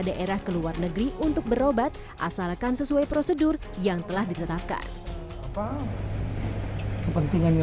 daerah ke luar negeri untuk berobat asalkan sesuai prosedur yang telah ditetapkan kepentingannya